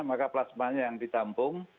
maka plasma yang ditampung